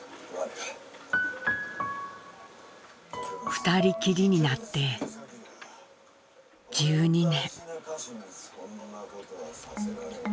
２人きりになって１２年。